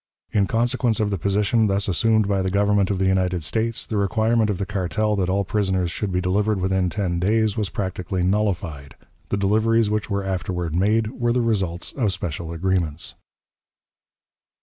In consequence of the position thus assumed by the Government of the United States, the requirement of the cartel that all prisoners should be delivered within ten days was practically nullified. The deliveries which were afterward made were the results of special agreements.